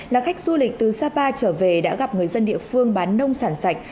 là khách du lịch từ sapa trở về đã gặp người dân địa phương bán nông sản sạch